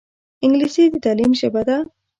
انګلیسي د تعلیم ژبه ده